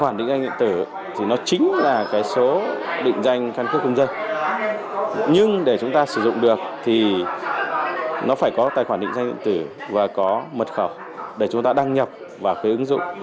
nó phải có tài khoản định danh điện tử và có mật khẩu để chúng ta đăng nhập vào cái ứng dụng